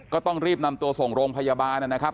ก็ต้องรีบนำตัวส่งโรงพยาบาลนะครับ